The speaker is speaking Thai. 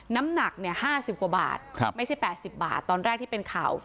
น้ำหนัก๕๐กว่าบาทไม่ใช่๘๐บาทตอนแรกที่เป็นข่าว